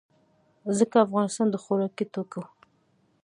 ځکه افغانستان د خوراکي توکو